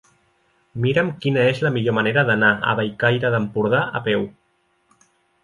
Mira'm quina és la millor manera d'anar a Bellcaire d'Empordà a peu.